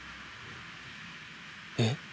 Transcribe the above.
えっ？